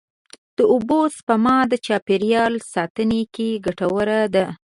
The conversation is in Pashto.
د اوبو سپما د چاپېریال ساتنې کې ګټوره ده.